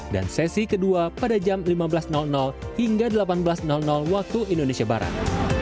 dan sesi kedua pada jam lima belas hingga delapan belas waktu indonesia barat